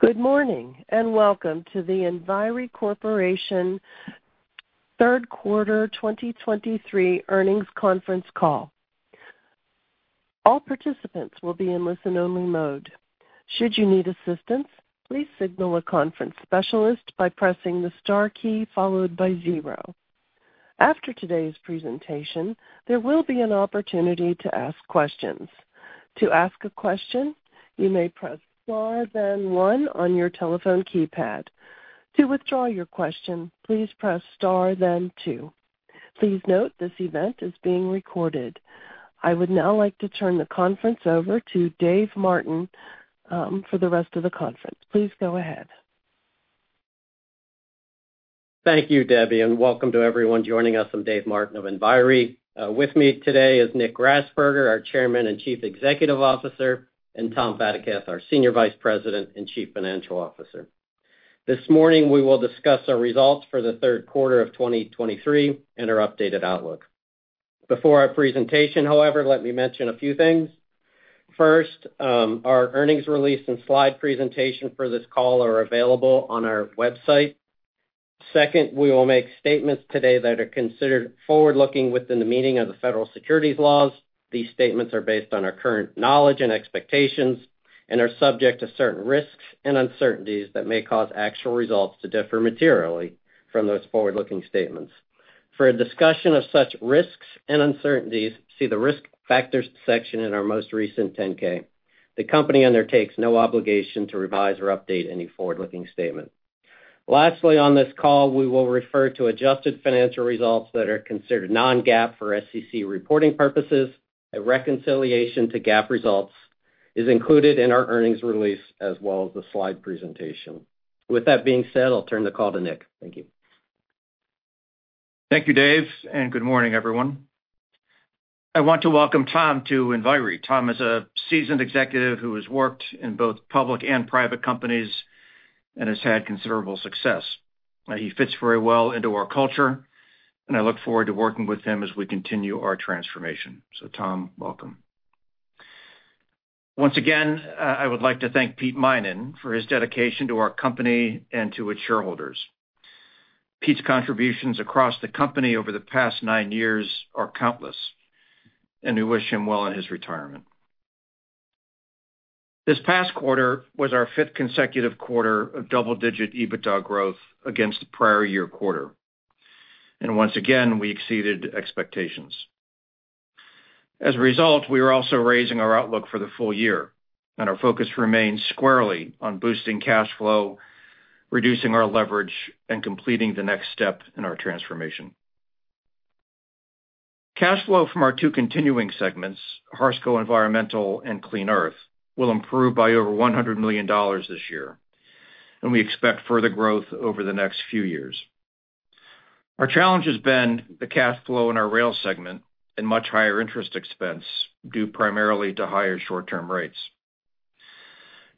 Good morning, and welcome to the Enviri Corporation third quarter 2023 earnings conference call. All participants will be in listen-only mode. Should you need assistance, please signal a conference specialist by pressing the star key followed by zero. After today's presentation, there will be an opportunity to ask questions. To ask a question, you may press star, then one on your telephone keypad. To withdraw your question, please press star then two. Please note, this event is being recorded. I would now like to turn the conference over to Dave Martin for the rest of the conference. Please go ahead. Thank you, Debbie, and welcome to everyone joining us. I'm Dave Martin of Enviri. With me today is Nick Grasberger, our Chairman and Chief Executive Officer, and Tom Vadaketh, our Senior Vice President and Chief Financial Officer. This morning, we will discuss our results for the third quarter of 2023 and our updated outlook. Before our presentation, however, let me mention a few things. First, our earnings release and slide presentation for this call are available on our website. Second, we will make statements today that are considered forward-looking within the meaning of the federal securities laws. These statements are based on our current knowledge and expectations and are subject to certain risks and uncertainties that may cause actual results to differ materially from those forward-looking statements. For a discussion of such risks and uncertainties, see the Risk Factors section in our most recent 10-K. The company undertakes no obligation to revise or update any forward-looking statement. Lastly, on this call, we will refer to adjusted financial results that are considered non-GAAP for SEC reporting purposes. A reconciliation to GAAP results is included in our earnings release, as well as the slide presentation. With that being said, I'll turn the call to Nick. Thank you. Thank you, Dave, and good morning, everyone. I want to welcome Tom to Enviri. Tom is a seasoned executive who has worked in both public and private companies and has had considerable success. He fits very well into our culture, and I look forward to working with him as we continue our transformation. So Tom, welcome. Once again, I would like to thank Pete Minan for his dedication to our company and to its shareholders. Pete's contributions across the company over the past nine years are countless, and we wish him well in his retirement. This past quarter was our fifth consecutive quarter of double-digit EBITDA growth against the prior year quarter. And once again, we exceeded expectations. As a result, we are also raising our outlook for the full year, and our focus remains squarely on boosting cash flow, reducing our leverage, and completing the next step in our transformation. Cash flow from our two continuing segments, Harsco Environmental and Clean Earth, will improve by over $100 million this year, and we expect further growth over the next few years. Our challenge has been the cash flow in our Rail segment and much higher interest expense, due primarily to higher short-term rates.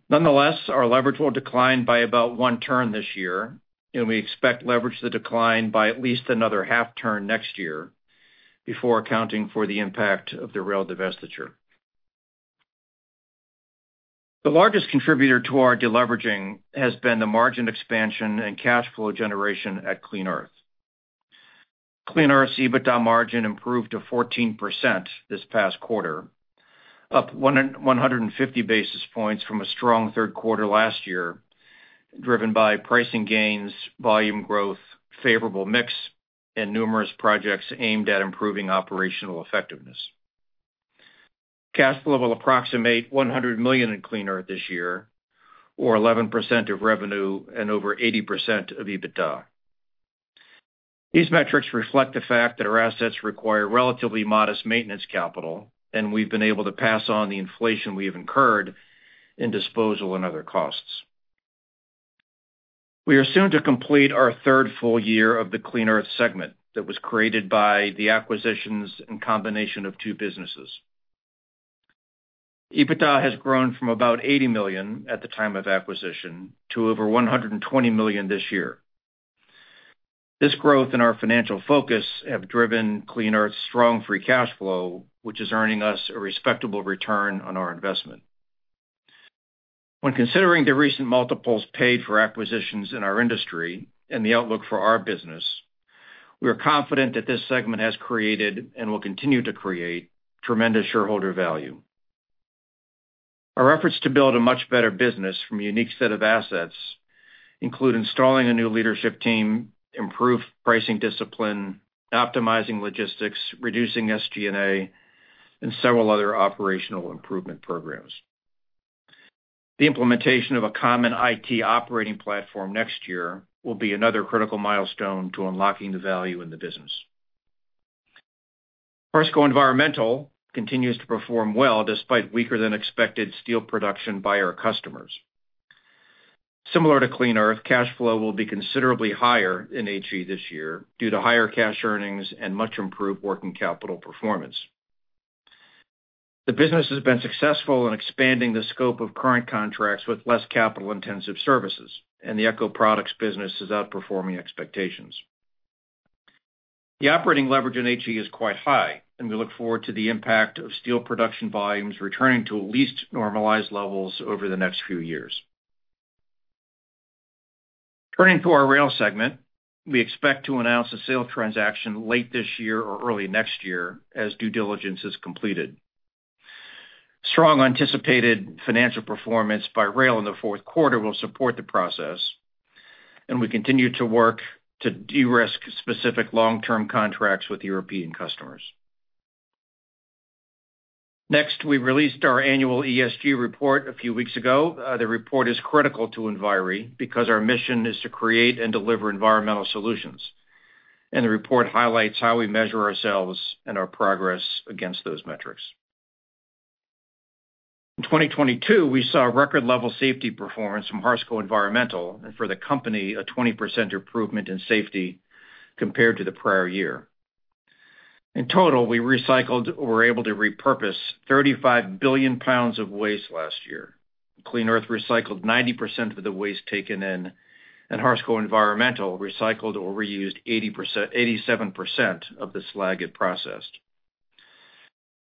Nonetheless, our leverage will decline by about one turn this year, and we expect leverage to decline by at least another half turn next year before accounting for the impact of the Rail divestiture. The largest contributor to our deleveraging has been the margin expansion and cash flow generation at Clean Earth. Clean Earth's EBITDA margin improved to 14% this past quarter, up 150 basis points from a strong third quarter last year, driven by pricing gains, volume growth, favorable mix, and numerous projects aimed at improving operational effectiveness. Cash flow will approximate $100 million in Clean Earth this year, or 11% of revenue and over 80% of EBITDA. These metrics reflect the fact that our assets require relatively modest maintenance capital, and we've been able to pass on the inflation we have incurred in disposal and other costs. We are soon to complete our third full year of the Clean Earth segment that was created by the acquisitions and combination of two businesses. EBITDA has grown from about $80 million at the time of acquisition to over $120 million this year. This growth and our financial focus have driven Clean Earth's strong free cash flow, which is earning us a respectable return on our investment. When considering the recent multiples paid for acquisitions in our industry and the outlook for our business, we are confident that this segment has created and will continue to create tremendous shareholder value. Our efforts to build a much better business from a unique set of assets include installing a new leadership team, improved pricing discipline, optimizing logistics, reducing SG&A, and several other operational improvement programs. The implementation of a common IT operating platform next year will be another critical milestone to unlocking the value in the business. Harsco Environmental continues to perform well despite weaker-than-expected steel production by our customers. Similar to Clean Earth, cash flow will be considerably higher in HE this year due to higher cash earnings and much improved working capital performance. The business has been successful in expanding the scope of current contracts with less capital-intensive services, and the eco-products business is outperforming expectations. The operating leverage in HE is quite high, and we look forward to the impact of steel production volumes returning to at least normalized levels over the next few years. Turning to our Rail segment, we expect to announce a sale transaction late this year or early next year as due diligence is completed. Strong anticipated financial performance by Rail in the fourth quarter will support the process, and we continue to work to de-risk specific long-term contracts with European customers. Next, we released our annual ESG report a few weeks ago. The report is critical to Enviri because our mission is to create and deliver environmental solutions, and the report highlights how we measure ourselves and our progress against those metrics. In 2022, we saw a record-level safety performance from Harsco Environmental, and for the company, a 20% improvement in safety compared to the prior year. In total, we recycled or were able to repurpose 35 billion pounds of waste last year. Clean Earth recycled 90% of the waste taken in, and Harsco Environmental recycled or reused 80%-87% of the slag it processed.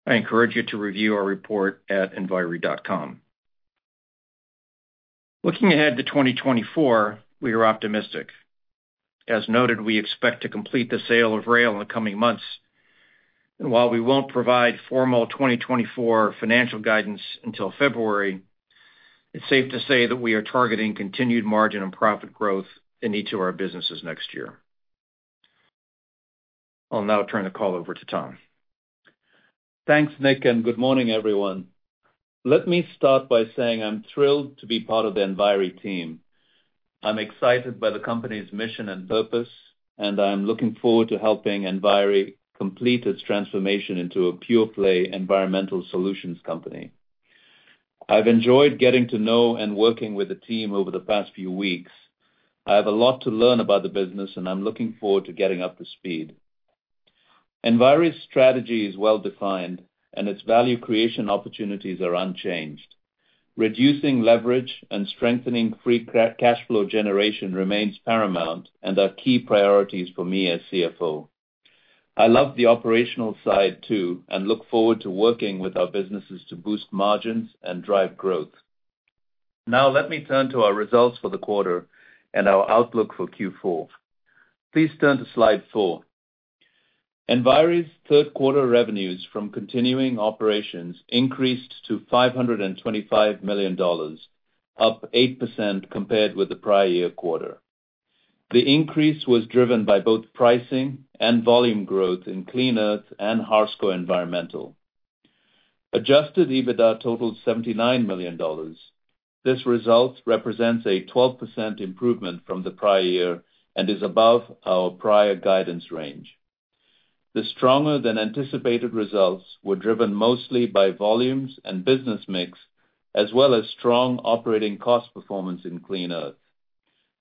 I encourage you to review our report at enviri.com. Looking ahead to 2024, we are optimistic. As noted, we expect to complete the sale of Rail in the coming months, and while we won't provide formal 2024 financial guidance until February, it's safe to say that we are targeting continued margin and profit growth in each of our businesses next year. I'll now turn the call over to Tom. Thanks, Nick, and good morning, everyone. Let me start by saying I'm thrilled to be part of the Enviri team. I'm excited by the company's mission and purpose, and I'm looking forward to helping Enviri complete its transformation into a pure-play environmental solutions company. I've enjoyed getting to know and working with the team over the past few weeks. I have a lot to learn about the business, and I'm looking forward to getting up to speed. Enviri's strategy is well-defined, and its value creation opportunities are unchanged. Reducing leverage and strengthening free cash flow generation remains paramount and are key priorities for me as CFO. I love the operational side, too, and look forward to working with our businesses to boost margins and drive growth. Now, let me turn to our results for the quarter and our outlook for Q4. Please turn to slide four. Enviri's third quarter revenues from continuing operations increased to $525 million, up 8% compared with the prior year quarter. The increase was driven by both pricing and volume growth in Clean Earth and Harsco Environmental. Adjusted EBITDA totaled $79 million. This result represents a 12% improvement from the prior year and is above our prior guidance range. The stronger-than-anticipated results were driven mostly by volumes and business mix, as well as strong operating cost performance in Clean Earth.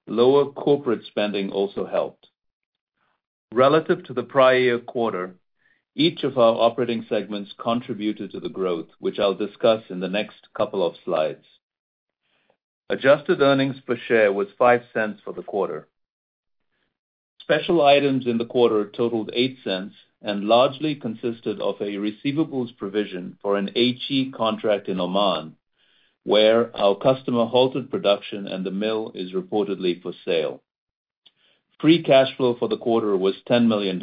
Lower corporate spending also helped. Relative to the prior year quarter, each of our operating segments contributed to the growth, which I'll discuss in the next couple of slides. Adjusted earnings per share was $0.05 for the quarter. Special items in the quarter totaled $0.08 and largely consisted of a receivables provision for an HE contract in Oman, where our customer halted production, and the mill is reportedly for sale. Free cash flow for the quarter was $10 million.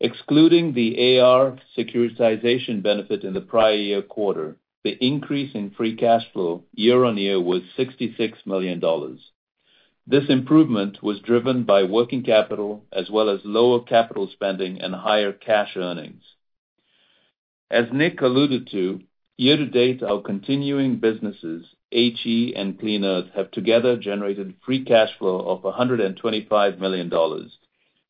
Excluding the AR securitization benefit in the prior year quarter, the increase in free cash flow year-on-year was $66 million. This improvement was driven by working capital, as well as lower capital spending and higher cash earnings. As Nick alluded to, year-to-date, our continuing businesses, HE and Clean Earth, have together generated free cash flow of $125 million,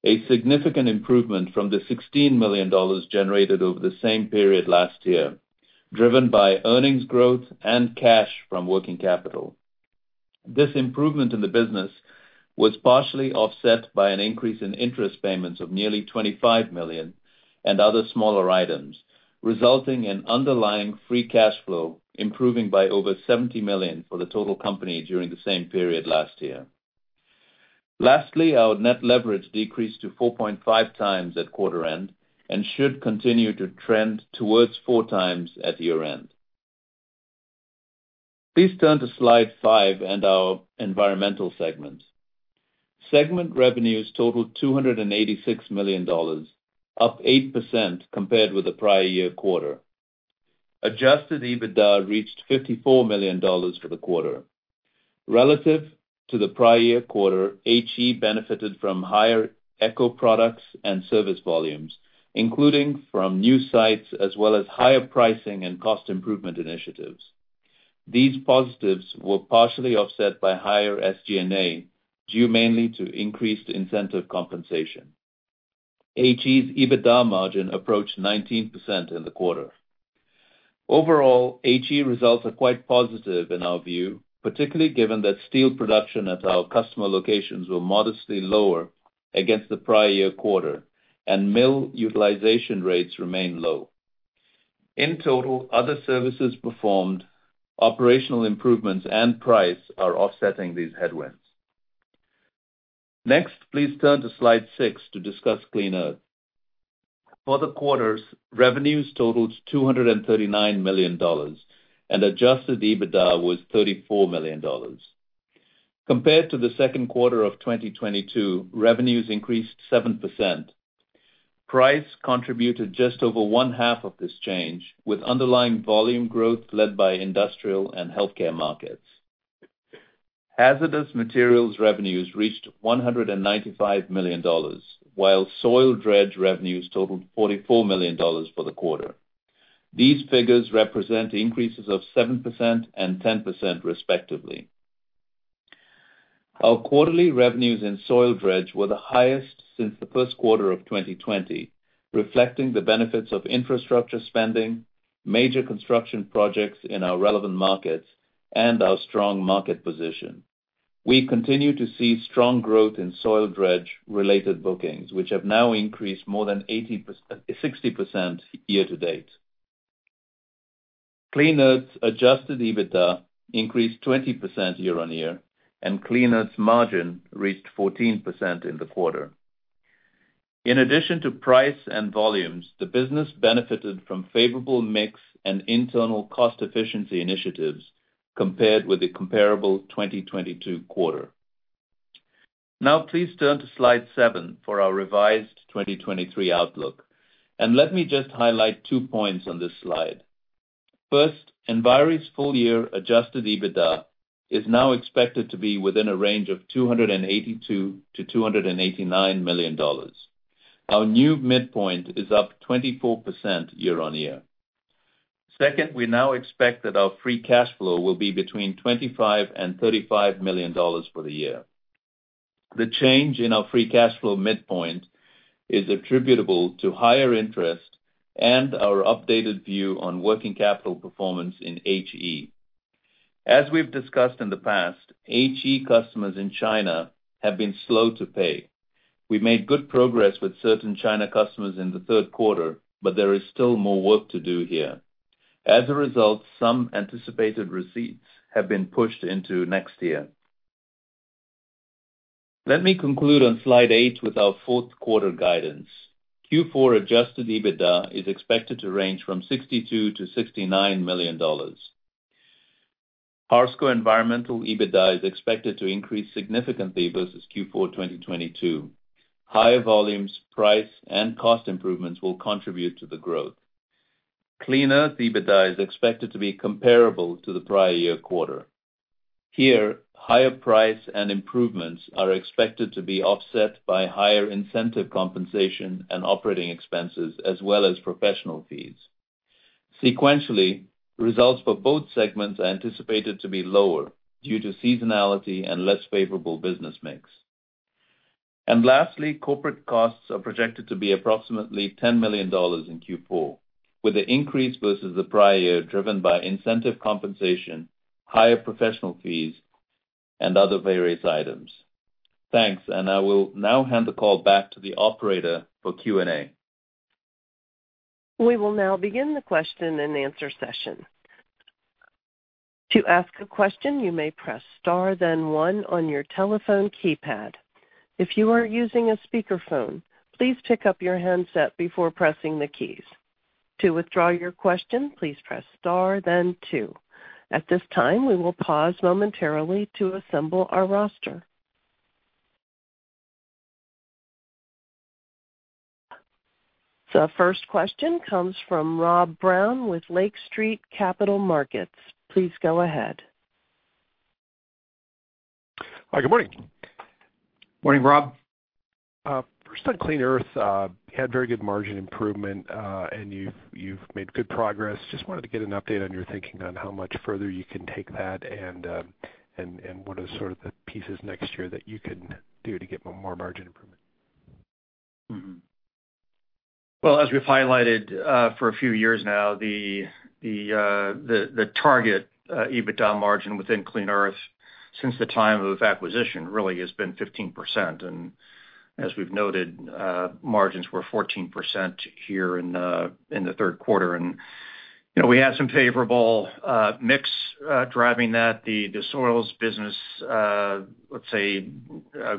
a significant improvement from the $16 million generated over the same period last year, driven by earnings growth and cash from working capital. This improvement in the business was partially offset by an increase in interest payments of nearly $25 million and other smaller items, resulting in underlying free cash flow improving by over $70 million for the total company during the same period last year. Lastly, our net leverage decreased to 4.5x at quarter end and should continue to trend towards 4x at year-end. Please turn to slide five and our environmental segment. Segment revenues totaled $286 million, up 8% compared with the prior year quarter. Adjusted EBITDA reached $54 million for the quarter. Relative to the prior year quarter, HE benefited from higher eco-products and service volumes, including from new sites, as well as higher pricing and cost improvement initiatives. These positives were partially offset by higher SG&A, due mainly to increased incentive compensation. HE's EBITDA margin approached 19% in the quarter. Overall, HE results are quite positive in our view, particularly given that steel production at our customer locations were modestly lower against the prior year quarter, and mill utilization rates remain low. In total, other services performed, operational improvements and price are offsetting these headwinds. Next, please turn to slide six to discuss Clean Earth. For the quarters, revenues totaled $239 million, and Adjusted EBITDA was $34 million. Compared to the second quarter of 2022, revenues increased 7%. Price contributed just over one half of this change, with underlying volume growth led by industrial and healthcare markets. Hazardous materials revenues reached $195 million, while soil dredge revenues totaled $44 million for the quarter. These figures represent increases of 7% and 10%, respectively. Our quarterly revenues in soil dredge were the highest since the first quarter of 2020, reflecting the benefits of infrastructure spending, major construction projects in our relevant markets, and our strong market position. We continue to see strong growth in soil dredge-related bookings, which have now increased more than 80%—60% year-to-date. Clean Earth's Adjusted EBITDA increased 20% year-on-year, and Clean Earth's margin reached 14% in the quarter. In addition to price and volumes, the business benefited from favorable mix and internal cost efficiency initiatives compared with the comparable 2022 quarter. Now, please turn to slide seven for our revised 2023 outlook, and let me just highlight two points on this slide. First, Enviri's full-year Adjusted EBITDA is now expected to be within a range of $282 million-$289 million. Our new midpoint is up 24% year-on-year. Second, we now expect that our free cash flow will be between $25 million and $35 million for the year. The change in our free cash flow midpoint is attributable to higher interest and our updated view on working capital performance in HE. As we've discussed in the past, HE customers in China have been slow to pay. We've made good progress with certain China customers in the third quarter, but there is still more work to do here. As a result, some anticipated receipts have been pushed into next year. Let me conclude on slide eight with our fourth quarter guidance. Q4 Adjusted EBITDA is expected to range from $62 million-$69 million. Harsco Environmental EBITDA is expected to increase significantly versus Q4 2022. Higher volumes, price, and cost improvements will contribute to the growth. Clean Earth EBITDA is expected to be comparable to the prior year quarter. Here, higher price and improvements are expected to be offset by higher incentive compensation and operating expenses, as well as professional fees. Sequentially, results for both segments are anticipated to be lower due to seasonality and less favorable business mix. Lastly, corporate costs are projected to be approximately $10 million in Q4, with an increase versus the prior year, driven by incentive compensation, higher professional fees, and other various items. Thanks, and I will now hand the call back to the operator for Q&A. We will now begin the question-and-answer session. To ask a question, you may press star, then one on your telephone keypad. If you are using a speakerphone, please pick up your handset before pressing the keys. To withdraw your question, please press star then two. At this time, we will pause momentarily to assemble our roster. The first question comes from Rob Brown with Lake Street Capital Markets. Please go ahead. Hi, good morning. Morning, Rob. First on Clean Earth, you had very good margin improvement, and you've, you've made good progress. Just wanted to get an update on your thinking on how much further you can take that and, and, and what are sort of the pieces next year that you can do to get more margin improvement? Well, as we've highlighted for a few years now, the target EBITDA margin within Clean Earth, since the time of acquisition, really has been 15%. And as we've noted, margins were 14% here in the third quarter. And, you know, we had some favorable mix driving that. The soils business, let's say,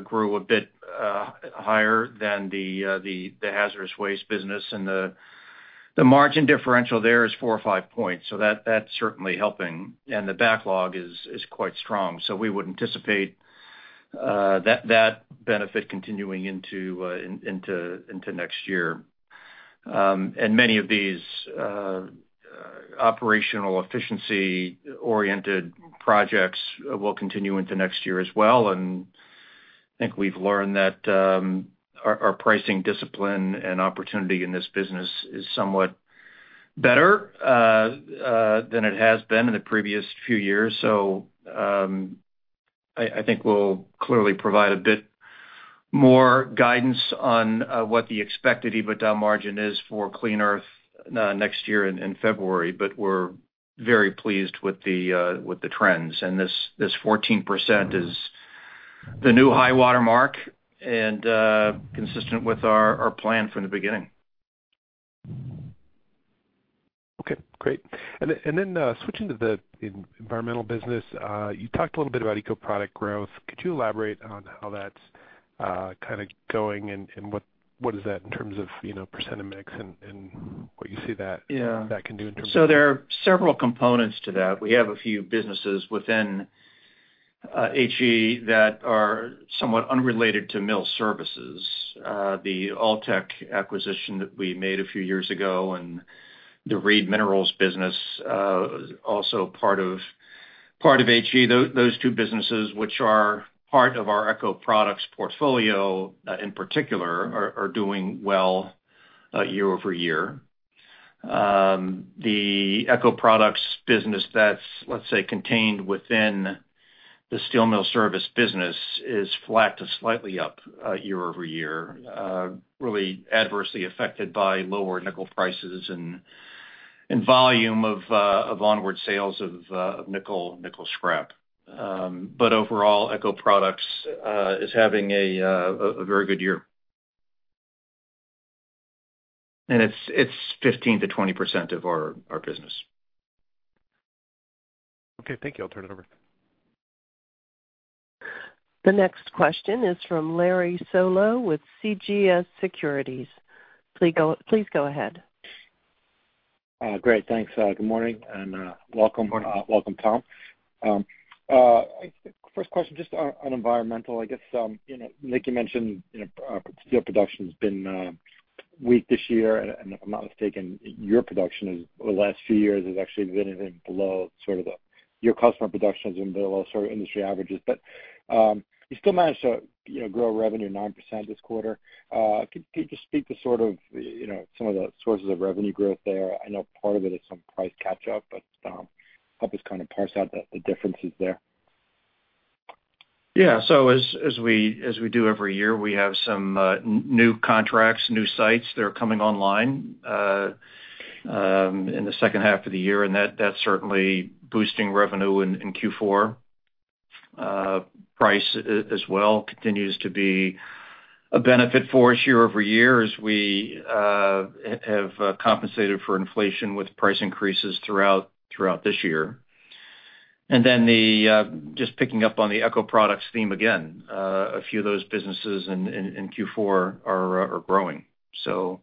grew a bit higher than the hazardous waste business. And the margin differential there is four or five points, so that's certainly helping. And the backlog is quite strong. So we would anticipate that benefit continuing into next year. And many of these operational efficiency-oriented projects will continue into next year as well. And I think we've learned that, our pricing discipline and opportunity in this business is somewhat better, than it has been in the previous few years. So, I think we'll clearly provide a bit more guidance on, what the expected EBITDA margin is for Clean Earth, next year in February. But we're very pleased with the trends. And this 14% is the new high water mark and, consistent with our plan from the beginning. Okay, great. And then, switching to the environmental business, you talked a little bit about eco-products growth. Could you elaborate on how that's kind of going, and what is that in terms of, you know, percent of mix and what you see that- Yeah.... that can do in terms of. So there are several components to that. We have a few businesses within HE that are somewhat unrelated to mill services. The ALTEK acquisition that we made a few years ago and the Reed Minerals business, also part of HE. Those two businesses, which are part of our eco-products portfolio in particular, are doing well year-over-year. The eco-products business that's, let's say, contained within the steel mill service business is flat to slightly up year-over-year. Really adversely affected by lower nickel prices and volume of onward sales of nickel scrap. But overall eco-products is having a very good year. And it's 15%-20% of our business. Okay, thank you. I'll turn it over. The next question is from Larry Solow with CJS Securities. Please go, please go ahead. Great, thanks. Good morning and, welcome- Good morning. Welcome, Tom. First question, just on environmental. I guess, you know, Nick, you mentioned, you know, steel production's been weak this year, and if I'm not mistaken, your production is, the last few years, has actually been even below sort of the your customer production has been below sort of industry averages. But you still managed to, you know, grow revenue 9% this quarter. Could you just speak to sort of, you know, some of the sources of revenue growth there? I know part of it is some price catch-up, but help us kind of parse out the, the differences there. Yeah. So as we do every year, we have some new contracts, new sites that are coming online in the second half of the year, and that's certainly boosting revenue in Q4. Price as well continues to be a benefit for us year-over-year, as we have compensated for inflation with price increases throughout this year. And then just picking up on the eco-products theme again, a few of those businesses in Q4 are growing. So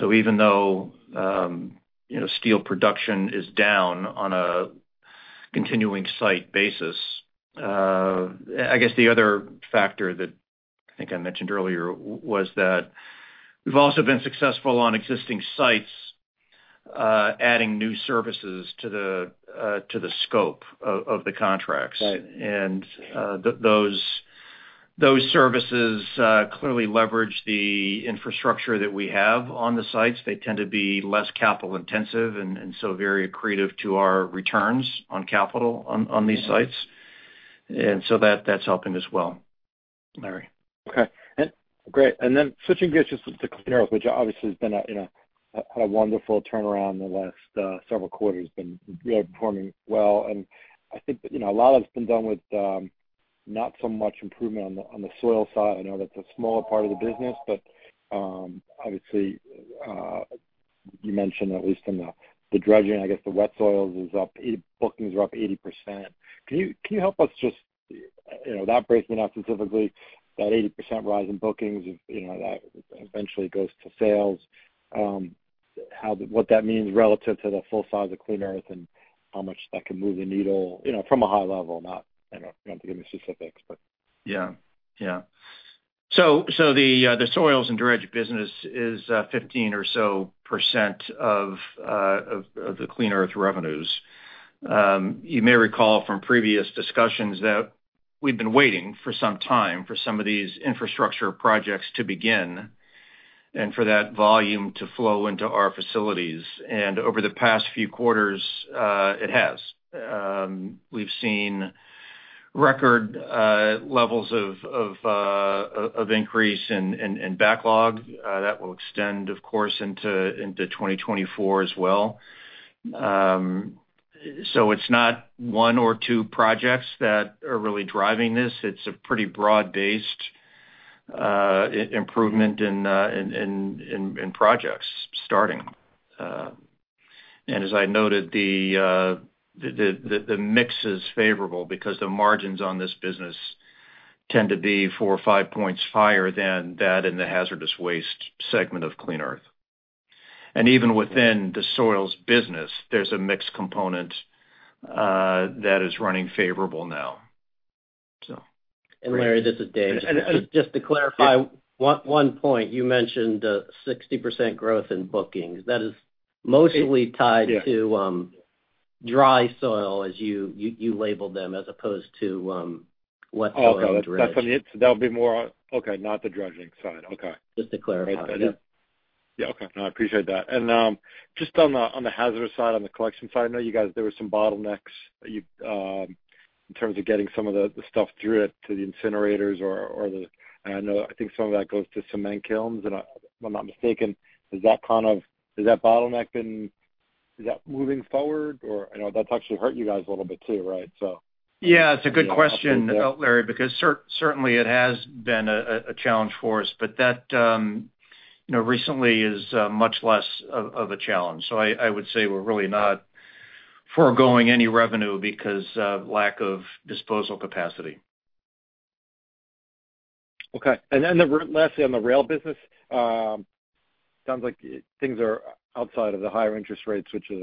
even though, you know, steel production is down on a continuing site basis, I guess the other factor that I think I mentioned earlier was that we've also been successful on existing sites, adding new services to the scope of the contracts. Right. And those services clearly leverage the infrastructure that we have on the sites. They tend to be less capital intensive and so very accretive to our returns on capital on these sites. And so that's helping as well, Larry. Okay. And great. And then switching gears just to Clean Earth, which obviously has been a, you know, a wonderful turnaround in the last several quarters, been really performing well. And I think that, you know, a lot of it's been done with not so much improvement on the, on the soil side. I know that's a smaller part of the business, but obviously, you mentioned at least in the, the dredging, I guess, the wet soils is up, bookings are up 80%. Can you, can you help us just, you know, that breaks it out specifically, that 80% rise in bookings, you know, that eventually goes to sales, how- what that means relative to the full size of Clean Earth and how much that can move the needle, you know, from a high level, not, you know, you don't have to give me specifics, but. Yeah. Yeah. So, the soils and dredge business is fifteen or so percent of the Clean Earth revenues. You may recall from previous discussions that we've been waiting for some time for some of these infrastructure projects to begin, and for that volume to flow into our facilities. And over the past few quarters, it has. We've seen record levels of increase in backlog that will extend, of course, into 2024 as well. So it's not one or two projects that are really driving this. It's a pretty broad-based improvement in projects starting. And as I noted, the mix is favorable because the margins on this business tend to be four or five points higher than that in the hazardous waste segment of Clean Earth. And even within the soils business, there's a mixed component that is running favorable now, so. Larry, this is Dave. Just to clarify one point, you mentioned 60% growth in bookings. That is mostly tied to- Yeah... dry soil, as you labeled them, as opposed to wet soil. Okay, that's on it. That would be more... Okay, not the dredging side. Okay. Just to clarify. Yeah, okay. No, I appreciate that. And just on the hazardous side, on the collection side, I know you guys, there were some bottlenecks in terms of getting some of the stuff through to the incinerators or the, I know, I think some of that goes to cement kilns, and if I'm not mistaken, has that kind of bottleneck been moving forward? Or I know that's actually hurt you guys a little bit too, right? So- Yeah, it's a good question, Larry, because certainly it has been a challenge for us, but that, you know, recently is much less of a challenge. So I would say we're really not foregoing any revenue because of lack of disposal capacity. Okay. And then lastly, on the Rail business, sounds like things are outside of the higher interest rates, which is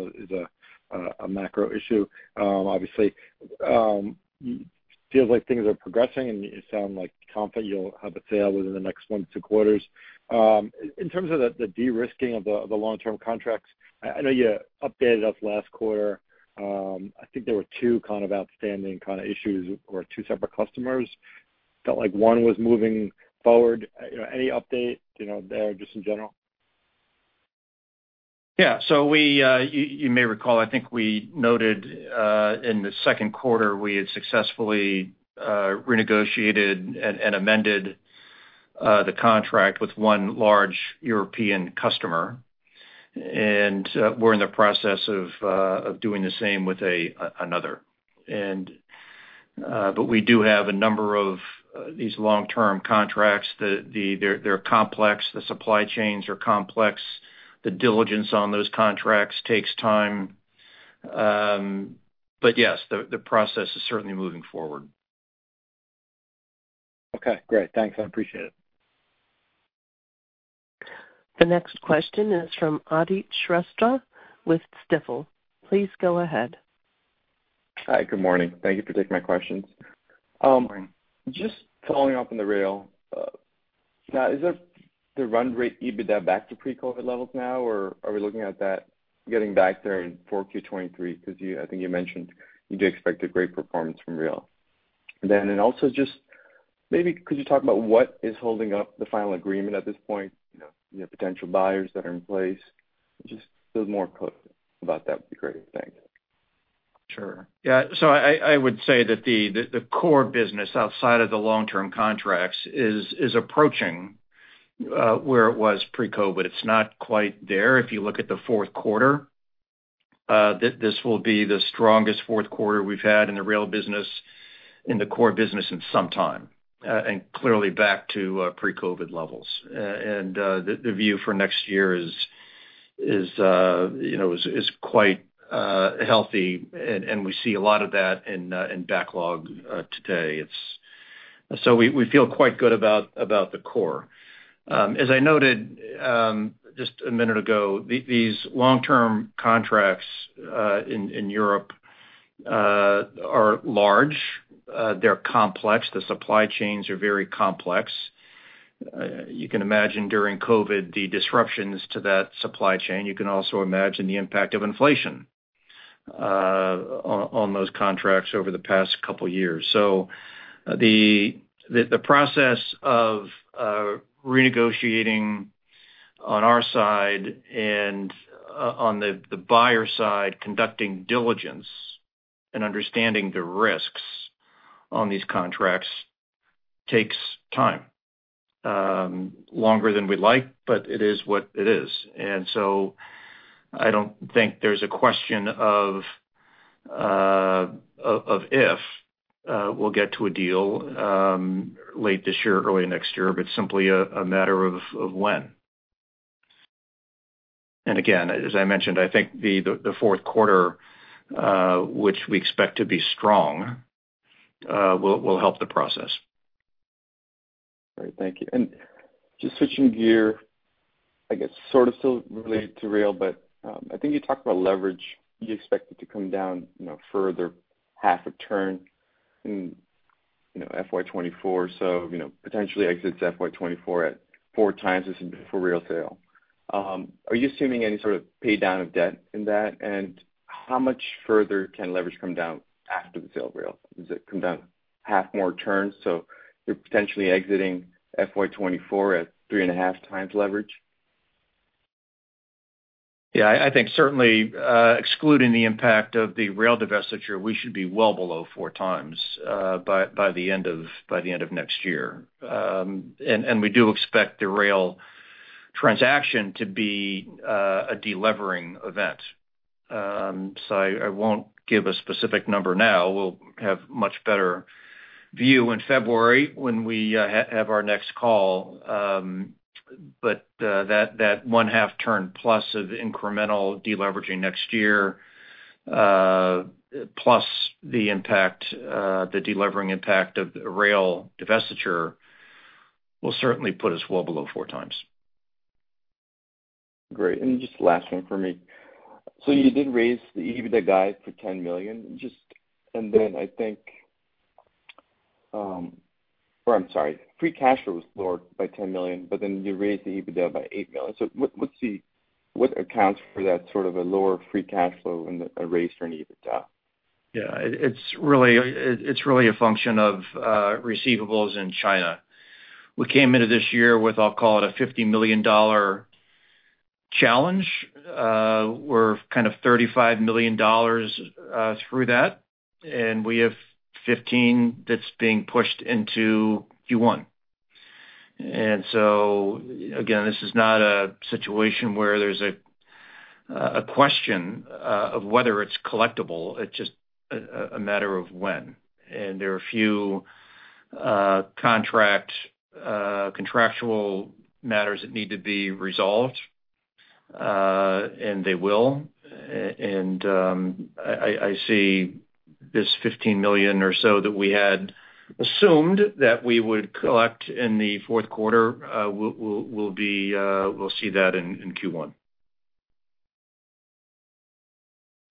a macro issue. Obviously, feels like things are progressing, and you sound like confident you'll have a sale within the next one-two quarters. In terms of the de-risking of the long-term contracts, I know you updated us last quarter. I think there were two kind of outstanding kind of issues or two separate customers. Felt like one was moving forward. You know, any update, you know, there, just in general? Yeah. So we, you may recall, I think we noted in the second quarter, we had successfully renegotiated and amended the contract with one large European customer. We're in the process of doing the same with another. But we do have a number of these long-term contracts. They're complex, the supply chains are complex. The diligence on those contracts takes time. But yes, the process is certainly moving forward. Okay, great. Thanks, I appreciate it. The next question is from Aadit Shrestha with Stifel. Please go ahead. Hi, good morning. Thank you for taking my questions. Good morning. Just following up on the Rail, now, is the run rate EBITDA back to pre-COVID levels now, or are we looking at that getting back there in 4Q 2023? Because you—I think you mentioned you do expect a great performance from Rail. And also just maybe could you talk about what is holding up the final agreement at this point? You know, you have potential buyers that are in place. Just a little more color about that would be great. Thanks. Sure. Yeah, so I would say that the core business outside of the long-term contracts is approaching where it was pre-COVID. It's not quite there. If you look at the fourth quarter, this will be the strongest fourth quarter we've had in the Rail business, in the core business in some time, and clearly back to pre-COVID levels. And the view for next year is, you know, quite healthy, and we see a lot of that in backlog today. So we feel quite good about the core. As I noted just a minute ago, these long-term contracts in Europe are large. They're complex. The supply chains are very complex. You can imagine during COVID the disruptions to that supply chain. You can also imagine the impact of inflation on those contracts over the past couple years. So the process of renegotiating on our side and on the buyer side, conducting diligence and understanding the risks on these contracts takes time. Longer than we'd like, but it is what it is. And so I don't think there's a question of if we'll get to a deal late this year, early next year, but simply a matter of when. And again, as I mentioned, I think the fourth quarter, which we expect to be strong, will help the process. Great. Thank you. And just switching gear, I guess, sort of still related to Rail, but, I think you talked about leverage. You expect it to come down, you know, further half a turn in, you know, FY 2024, so, you know, potentially exits FY 2024 at 4x this before Rail sale. Are you assuming any sort of pay down of debt in that? And how much further can leverage come down after the sale of Rail? Does it come down half more turns, so you're potentially exiting FY 2024 at 3.5x leverage? Yeah, I think certainly, excluding the impact of the Rail divestiture, we should be well below 4x by the end of next year. And we do expect the Rail transaction to be a delevering event. So I won't give a specific number now. We'll have much better view in February when we have our next call. But that 0.5 turn + of incremental deleveraging next year, plus the delevering impact of the Rail divestiture will certainly put us well below 4x. Great. Just last one for me. So you did raise the EBITDA guide for $10 million. Just, and then I think, or I'm sorry, free cash flow was lowered by $10 million, but then you raised the EBITDA by $8 million. So what, what's the—what accounts for that sort of a lower free cash flow and a raise in EBITDA? Yeah. It's really a function of receivables in China. We came into this year with, I'll call it, a $50 million challenge. We're kind of $35 million through that, and we have $15 million that's being pushed into Q1. And so, again, this is not a situation where there's a question of whether it's collectible. It's just a matter of when. And there are a few contractual matters that need to be resolved, and they will. And I see this $15 million or so that we had assumed that we would collect in the fourth quarter will be. We'll see that in Q1.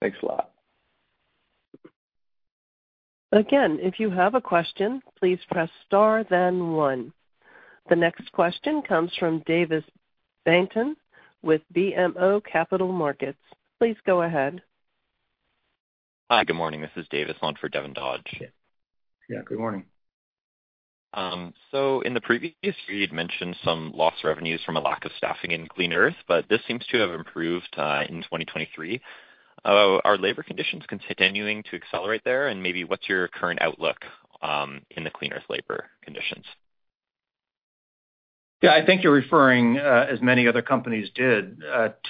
Thanks a lot. Again, if you have a question, please press star, then one. The next question comes from Davis Baynton with BMO Capital Markets. Please go ahead. Hi, good morning. This is Davis, on for Devin Dodge. Yeah, good morning. So in the previous year, you'd mentioned some lost revenues from a lack of staffing in Clean Earth, but this seems to have improved in 2023. Are labor conditions continuing to accelerate there? And maybe what's your current outlook in the Clean Earth labor conditions? Yeah, I think you're referring, as many other companies did,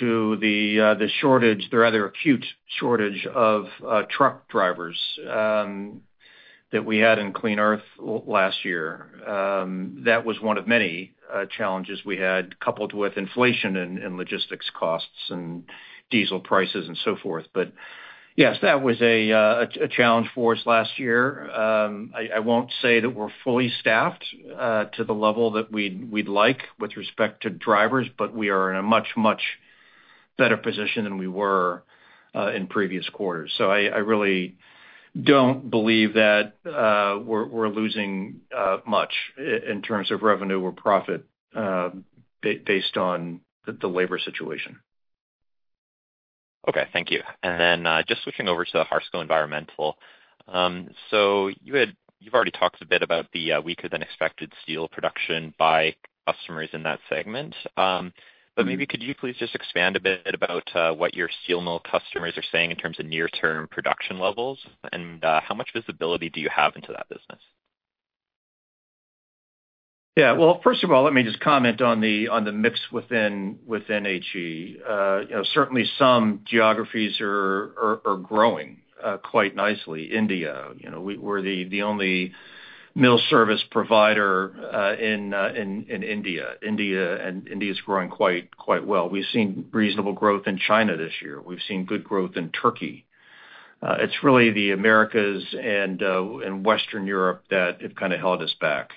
to the, the shortage, the rather acute shortage of, truck drivers, that we had in Clean Earth last year. That was one of many, challenges we had, coupled with inflation and logistics costs and diesel prices and so forth. But yes, that was a challenge for us last year. I won't say that we're fully staffed, to the level that we'd like with respect to drivers, but we are in a much, much better position than we were, in previous quarters. So I really don't believe that, we're losing, much in terms of revenue or profit, based on the labor situation. Okay. Thank you. And then, just switching over to the Harsco Environmental. So you've already talked a bit about the weaker-than-expected steel production by customers in that segment. But maybe could you please just expand a bit about what your steel mill customers are saying in terms of near-term production levels? And how much visibility do you have into that business? Yeah. Well, first of all, let me just comment on the mix within HE. You know, certainly some geographies are growing quite nicely. India, you know, we're the only mill service provider in India. India is growing quite well. We've seen reasonable growth in China this year. We've seen good growth in Turkey. It's really the Americas and Western Europe that have kind of held us back.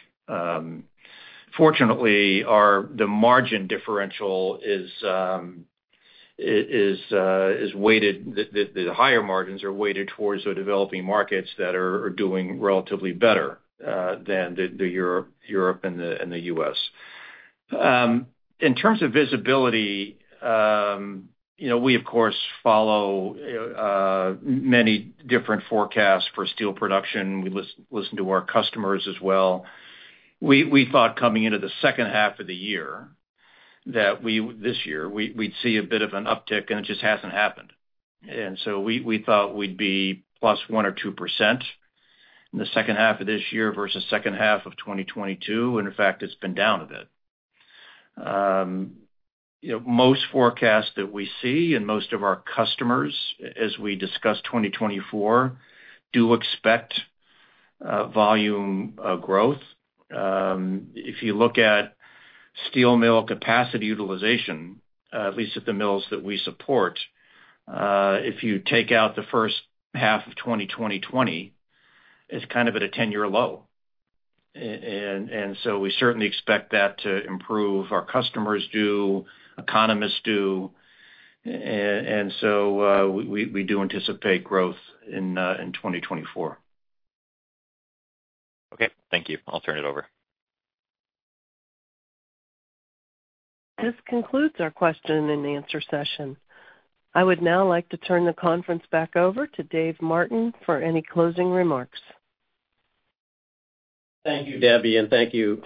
Fortunately, the margin differential is weighted. The higher margins are weighted towards the developing markets that are doing relatively better than Europe and the U.S. In terms of visibility, you know, we, of course, follow many different forecasts for steel production. We listen to our customers as well. We thought coming into the second half of the year that this year we'd see a bit of an uptick, and it just hasn't happened. And so we thought we'd be plus 1% or 2% in the second half of this year versus second half of 2022, and in fact, it's been down a bit. You know, most forecasts that we see and most of our customers, as we discuss 2024, do expect volume growth. If you look at steel mill capacity utilization, at least at the mills that we support, if you take out the first half of 2020, it's kind of at a ten-year low. And so we certainly expect that to improve. Our customers do, economists do, and so we do anticipate growth in 2024. Okay, thank you. I'll turn it over. This concludes our question and answer session. I would now like to turn the conference back over to Dave Martin for any closing remarks. Thank you, Debbie, and thank you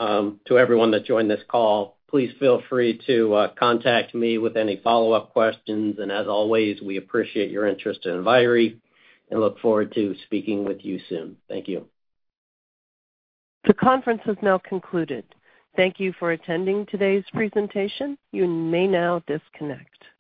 to everyone that joined this call. Please feel free to contact me with any follow-up questions, and as always, we appreciate your interest in Enviri and look forward to speaking with you soon. Thank you. The conference has now concluded. Thank you for attending today's presentation. You may now disconnect.